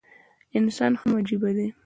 انسان هم عجيبه دی